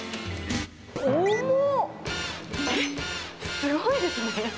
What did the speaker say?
すごいですね。